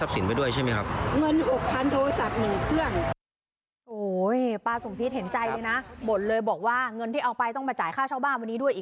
ทั้งหมดเกือบหกพันเพราะมันรู้ว่าป้าต้องจ่ายค่าบ้านวันนี้ดู